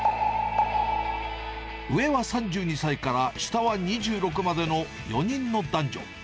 上は３２歳から、下は２６までの４人の男女。